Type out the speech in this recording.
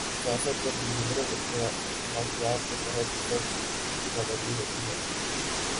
سیاست جب لبرل اخلاقیات کے تحت سچ کی پابند ہوتی ہے۔